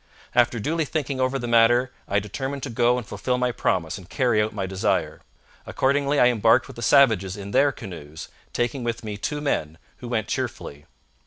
After duly thinking over the matter I determined to go and fulfil my promise and carry out my desire. Accordingly I embarked with the savages in their canoes, taking with me two men, who went cheerfully.